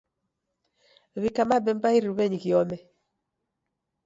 W'ika mabemba iruwenyi ghiome